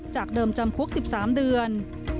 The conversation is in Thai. จากเดิมจำคุก๑๓เดือน